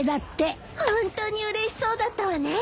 ホントにうれしそうだったわね